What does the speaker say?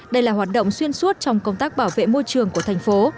đây là hoạt động xuyên suốt trong công tác bảo vệ môi trường của thành phố